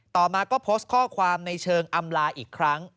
ต่อมาก็โพสต์ข้อความในเชิงอำลาอีกครั้ง